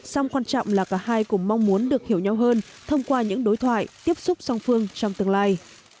song quan trọng là cả hai cùng mong muốn được hiểu nhau hơn thông qua những đối thoại tiếp xúc song phương trong tương lai